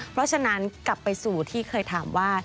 เพราะฉะนั้นกลับไปสู่ที่เคยถามว่า